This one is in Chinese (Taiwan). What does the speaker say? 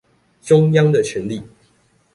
中央的權力